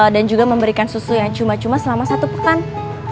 dan juga memberikan susu yang cuma cuma selama seminggu